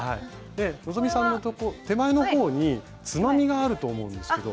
希さんの手前の方につまみがあると思うんですけど。